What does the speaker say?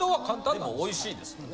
でもおいしいですよね。